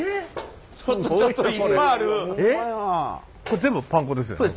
これ全部パン粉ですよね？